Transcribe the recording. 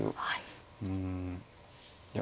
うんいや